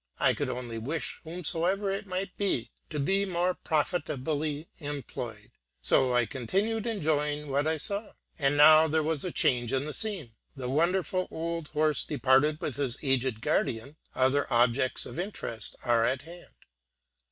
I could only wish whomsoever it might be to be more profitably employed, so I continued enjoying what I saw; and now there was a change in the scene: the wondrous old horse departed with his aged guardian; other objects of interest are at hand.